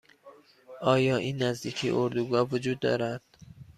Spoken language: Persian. آیا این نزدیکی اردوگاه وجود دارد؟